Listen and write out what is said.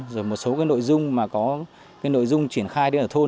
rồi một số nội dung mà có nội dung triển khai đến ở thôn